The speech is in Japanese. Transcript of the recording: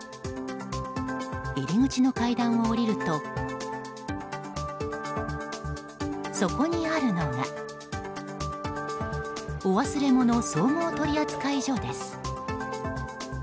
入り口の階段を下りるとそこにあるのがお忘れ物総合取扱所です。